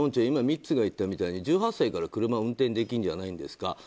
今、ミッツが言ったみたいに１８歳から車を運転できるじゃないですか。